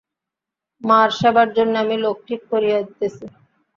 মার সেবার জন্যে আমি লোক ঠিক করিয়া দিতেছি।